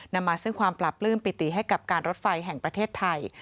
นำมาซึ่งความปราบปลื้มปิติให้กับการรถไฟแห่งประเทศไทย